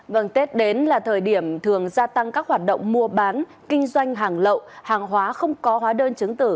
vâng tết đến là thời điểm thường gia tăng các hoạt động mua bán kinh doanh hàng lậu hàng hóa không có hóa đơn chứng tử